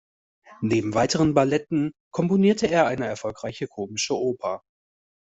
Neben weiteren Balletten komponierte er eine erfolgreiche komische Oper.